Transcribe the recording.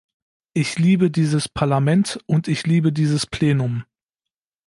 Ich liebe dieses Parlament, und ich liebe dieses Plenum.